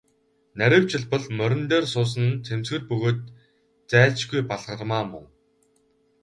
Нарийвчилбал, морин дээр суусан нь цэмцгэр бөгөөд зайлшгүй Балгармаа мөн.